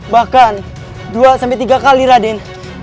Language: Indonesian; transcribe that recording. bahkan dua sampai tiga kali raden